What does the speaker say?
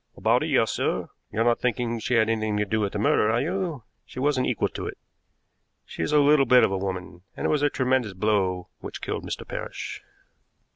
"About a year, sir. You're not thinking she had anything to do with the murder, are you? She wasn't equal to it. She is a little bit of a woman, and it was a tremendous blow which killed Mr. Parrish."